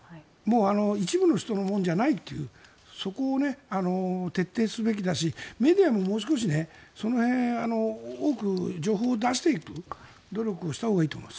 一部の人のものじゃないというそこを徹底すべきだしメディアももう少しその辺多く情報を出していく努力をしたほうがいいと思います。